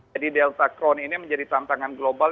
jadi delta crohn ini menjadi tantangan global